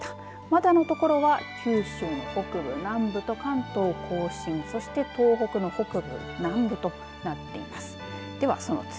まだのところは九州の北部、南部と関東甲信、そして東北の北部、南部となっています。